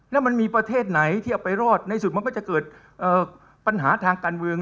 แล้วมันมีประเทศไหนที่เอาไปรอดในสุดมันก็จะเกิดปัญหาทางการเมือง